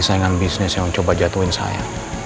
saingan bisnis yang coba jatuhin saya